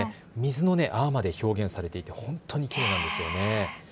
水の泡まで表現されていて本当に、きれいですよね。